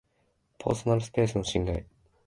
パーソナルスペースの侵害